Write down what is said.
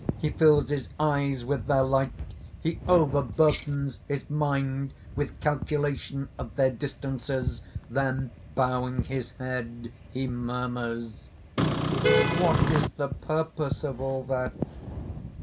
He fills his eyes with their light; he over burthens his mind with calculation of their distances: then, bowing his head, he murmurs_): "What is the purpose of all that?"